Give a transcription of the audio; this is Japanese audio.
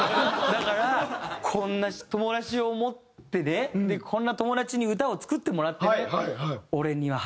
だからこんな友達を持ってねこんな友達に歌を作ってもらってね。